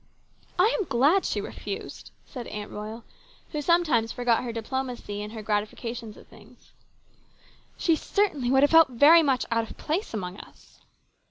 " I am glad she refused," said Aunt Royal, who sometimes forgot her diplomacy in her gratification at things. " She ' certainly would have felt very much out of place among us."